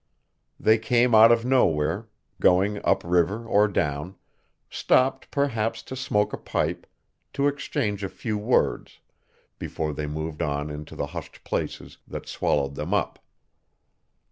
They came out of nowhere, going up river or down, stopped perhaps to smoke a pipe, to exchange a few words, before they moved on into the hushed places that swallowed them up.